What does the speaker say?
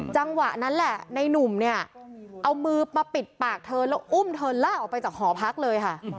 จังหวะนั้นแหละในนุ่มเนี่ยเอามือมาปิดปากเธอแล้วอุ้มเธอลากออกไปจากหอพักเลยค่ะ